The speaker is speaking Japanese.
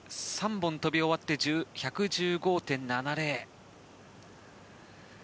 本飛び終わって１１５．７０。